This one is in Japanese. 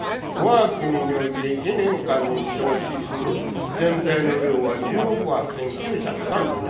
我が国において１年間に消費するぜんざいの量は１０億８，９３７杯』。